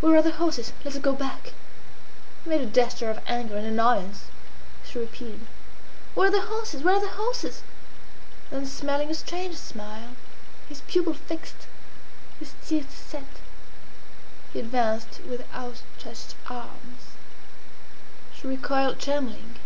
Where are the horses? Let us go back." He made a gesture of anger and annoyance. She repeated: "Where are the horses? Where are the horses?" Then smiling a strange smile, his pupil fixed, his teeth set, he advanced with outstretched arms. She recoiled trembling.